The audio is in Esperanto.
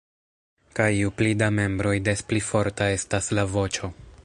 Kaj ju pli da membroj des pli forta estas la voĉo.